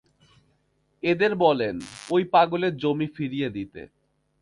এদের বলেন, ঐ পাগলের জমি ফিরিয়ে দিতে।